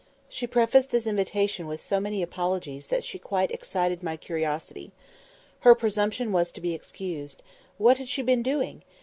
She prefaced this invitation with so many apologies that she quite excited my curiosity. "Her presumption" was to be excused. What had she been doing?